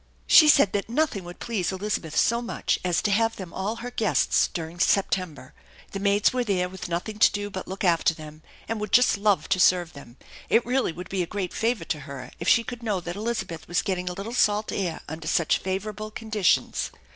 She said that nothing would please Eliza beth so much as to have them all her guests during September. The maids were there, with nothing to do but look after them, and would just love to serve them; it really would be a great favor to her if she could know that Elizabeth was getting a little salt air under such favorable conditions.